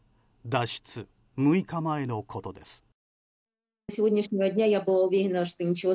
脱出６日前のことです。